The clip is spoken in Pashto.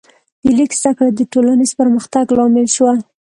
د لیک زده کړه د ټولنیز پرمختګ لامل شوه.